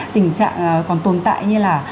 tình trạng còn tồn tại như là